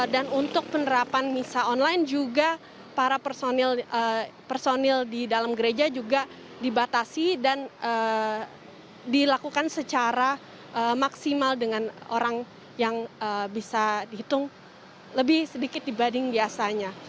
dan untuk penerapan misa online juga para personil di dalam gereja juga dibatasi dan dilakukan secara maksimal dengan orang yang bisa dihitung lebih sedikit dibanding biasanya